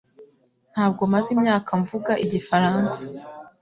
Ntabwo maze imyaka mvuga igifaransa